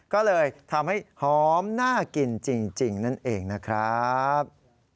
ก็เลยทำให้หอมน่ากินจริงนั่นเองนะครับ